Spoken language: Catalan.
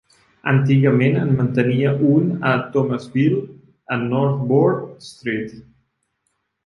Antigament en mantenia un a Thomasville, a North Broad Street.